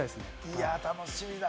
いや、楽しみだな。